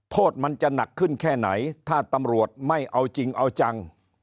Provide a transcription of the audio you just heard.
โทษมันจะหนักขึ้นแค่ไหนถ้าตำรวจไม่เอาจริงเอาจัง